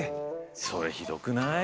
それひどくない？